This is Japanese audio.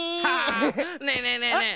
ねえねえねえねえ！